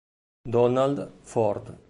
Donald Ford